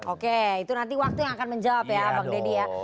oke itu nanti waktu yang akan menjawab ya bang deddy ya